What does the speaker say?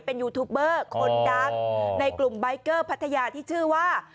เป็นยูทูปเบอร์คนดังในกลุ่มใบเกอร์พัทยาที่ชื่อว่า